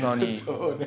そうね。